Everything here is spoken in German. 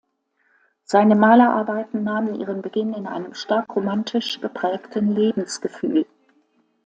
Seine Malerarbeiten nahm ihren Beginn in einem stark romantisch geprägten Lebensgefühl.